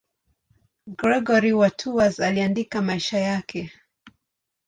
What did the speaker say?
Gregori wa Tours aliandika maisha yake.